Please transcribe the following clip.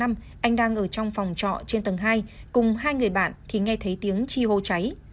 anh đang ở trong phòng trọ trên tầng hai cùng hai người bạn thì nghe thấy tiếng chi hô cháy